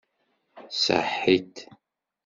Ṣaḥit!